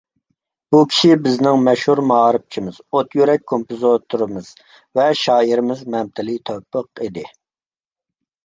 بۇ كىشى بىزنىڭ مەشھۇر مائارىپچىمىز، ئوت يۈرەك كومپوزىتورىمىز ۋە شائىرىمىز مەمتىلى تەۋپىق ئىدى.